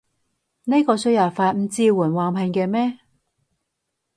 呢個輸入法唔支援橫屏嘅咩？